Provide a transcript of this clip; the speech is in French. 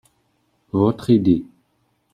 Votre idée.